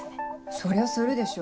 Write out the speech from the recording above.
そりゃするでしょ